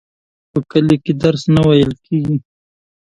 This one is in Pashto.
په کلي کي درس نه وویل کیږي.